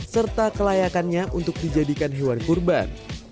serta kelayakannya untuk dijadikan hewan kurban